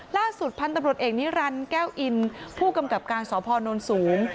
ล่าสุดพันธุ์ตำรวจเอกนิรันดิ์แก้วอินผู้กำกับการสพนสูง